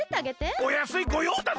おやすいごようだぜ！